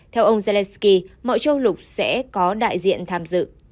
theo ông zelensky mọi châu lục sẽ có đại diện tham dự